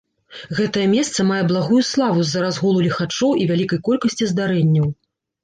Гэтае месца мае благую славу з-за разгулу ліхачоў і вялікай колькасці здарэнняў.